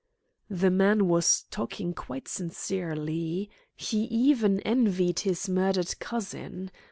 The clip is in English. The man was talking quite sincerely. He even envied his murdered cousin.